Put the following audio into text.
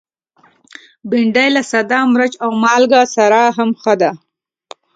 بېنډۍ له ساده مرچ او مالګه سره هم ښه ده